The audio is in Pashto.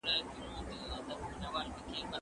چي ملګری د سفر مي د بیابان یې